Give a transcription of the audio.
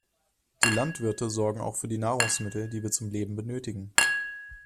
Die Landwirte sorgen auch für die Nahrungsmittel, die wir zum Leben benötigen.